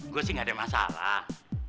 gue sih gak ada masalah